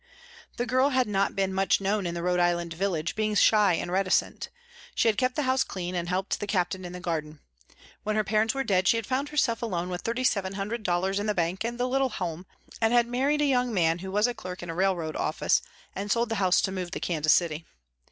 The girl had not been much known in the Rhode Island village, being shy and reticent. She had kept the house clean and helped the captain in the garden. When her parents were dead she had found herself alone with thirty seven hundred dollars in the bank and the little home, and had married a young man who was a clerk in a railroad office, and sold the house to move to Kansas City.